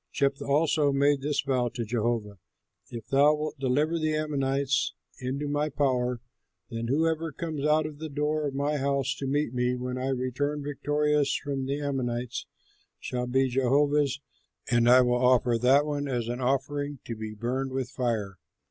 Jephthah also made this vow to Jehovah: "If thou wilt deliver the Ammonites into my power, then whoever comes out of the door of my house to meet me, when I return victorious from the Ammonites, shall be Jehovah's, and I will offer that one as an offering to be burned with fire."